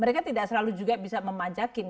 mereka tidak selalu juga bisa memajakin